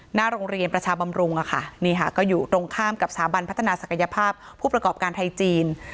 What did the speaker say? หน้าโรงเรียนประชาบำรุงอะค่ะนี่ค่ะก็อยู่ตรงข้ามกับสถาบันพัฒนาศักยภาพผู้ประกอบการไทยจีน